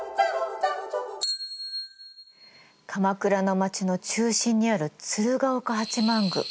鎌倉の町の中心にある鶴岡八幡宮。